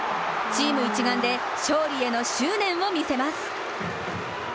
チーム一丸で勝利への執念を見せます。